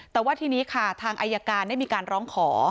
แต่ว่าทีนี้ค่ะทางอายการได้มีการร้องขอ